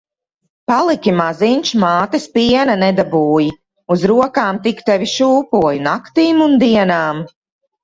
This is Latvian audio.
Paliki maziņš, mātes piena nedabūji. Uz rokām tik tevi šūpoju naktīm un dienām.